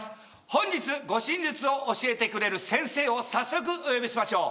本日、護身術を教えてくれる先生を早速お呼びしましょう。